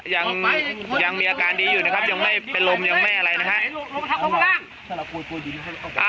ยังยังมีอาการดีอยู่นะครับยังไม่เป็นลมยังไม่อะไรนะฮะ